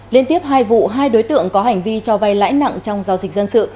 liên tiếp hai vụ hai đối tượng có hành vi cho vay lãi nặng trong giao dịch dân sự